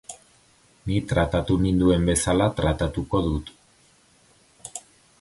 Ni tratatu ninduen bezala tratatuko dut.